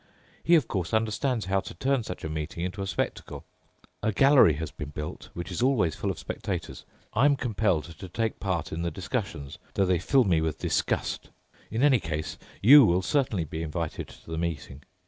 He, of course, understands how to turn such a meeting into a spectacle. A gallery has been built, which is always full of spectators. I'm compelled to take part in the discussions, though they fill me with disgust. In any case, you will certainly be invited to the meeting.